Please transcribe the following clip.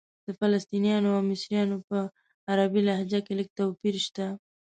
د فلسطنیانو او مصریانو په عربي لهجه کې لږ توپیر شته.